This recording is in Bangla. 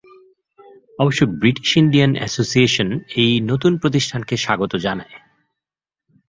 অবশ্য ব্রিটিশ ইন্ডিয়ান অ্যাসোসিয়েশন এই নতুন প্রতিষ্ঠানকে স্বাগত জানায়।